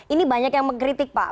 ini banyak yang mengkritik pak